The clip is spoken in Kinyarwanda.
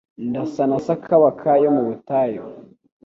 Ndasa na sakabaka yo mu butayu